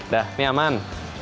dah ini aman